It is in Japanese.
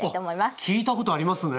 おっ聞いたことありますね！